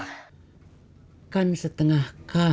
hai kan setengah